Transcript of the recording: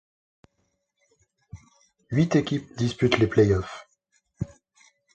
Huit équipes disputent les plays-offs.